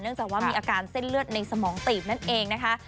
จากว่ามีอาการเส้นเลือดในสมองตีบนั่นเองนะคะ